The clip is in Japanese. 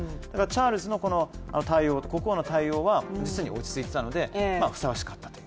チャールズ国王の対応は、実に落ち着いていたので、ふさわしかったと。